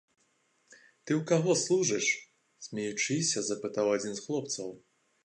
Ты ў каго служыш?— смеючыся, запытаў адзін з хлопцаў.